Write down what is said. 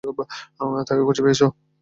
তাকে খুঁজে পেয়েছো?